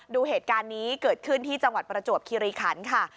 ดูเหตุการณ์นี้เกิดขึ้นที่จังหวัดประจวบคิริขันค่ะ